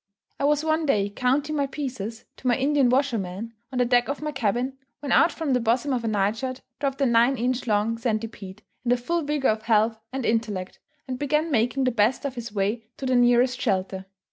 I was one day "counting my pieces" to my Indian washerman, on the deck of my cabin, when out from the bosom of a nightshirt dropped a nine inch long centipede in the full vigour of health and intellect, and began making the best of his way to the nearest shelter.